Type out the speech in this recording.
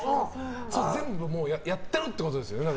全部やってるってことですよね。